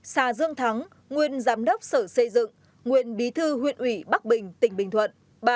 hai xà dương thắng nguyên giám đốc sở xây dựng nguyên bí thư huyện ủy bắc bình tỉnh bình thuận